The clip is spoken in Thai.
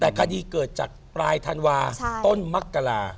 แต่คดีเกิดจากปลายธันวาต้นมักกรา